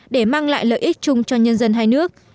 để mang lại lợi ích chung cho nhân dân hai nước